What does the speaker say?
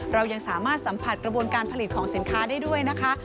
เรายังสามารถสัมผัสกระบวนการผลิตของสินค้าได้ด้วยนะคะ